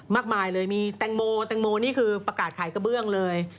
มากมายเลยมีแตงโมแตงโมนี่คือประกาศขายกระเบื้องเลย